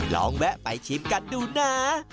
ลองแวะไปชิมกันดูนะ